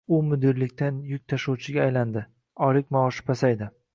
u mudirlikdan yuk tashuvchiga aylanadi, oylik maoshi pasayadi